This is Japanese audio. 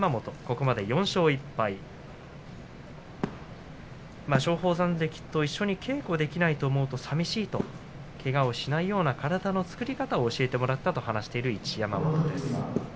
ここまで４勝１敗松鳳山関と一緒に稽古できないと思うと寂しいとけがをしないような体の作り方を教えてもらったと話している一山本です。